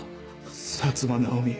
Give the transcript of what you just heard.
薩摩直美。